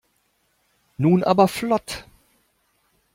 Nun aber flott!